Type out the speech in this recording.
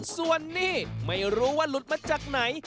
ส่วนนี้ไม่รู้ว่าหลุดมาจากไหน